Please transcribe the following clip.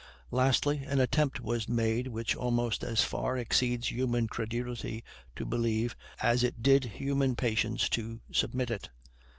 Lastly, an attempt was made which almost as far exceeds human credulity to believe as it did human patience to submit to.